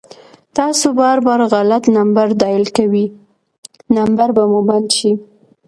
تاسو بار بار غلط نمبر ډائل کوئ ، نمبر به مو بند شي